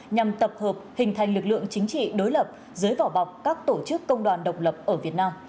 nhằm tập hợp hình thành lực lượng chính trị đối lập dưới vỏ bọc các tổ chức công đoàn độc lập ở việt nam